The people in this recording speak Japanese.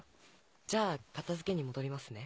じゃあ片付けに戻りますね。